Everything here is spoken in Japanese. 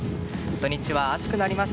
土日は暑くなります。